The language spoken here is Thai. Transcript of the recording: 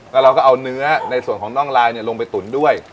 แล้วเราก็เอาเนื้อในส่วนของน่องลายลงไปตุ๋นด้วย